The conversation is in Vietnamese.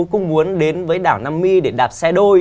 cũng muốn đến với đảo nam my để đạp xe đôi